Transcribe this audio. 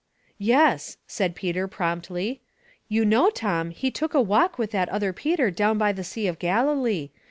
" Yes," said Peter, promptly. " You know, Tom, He took a walk with that other Peter down by the sea of Galilee.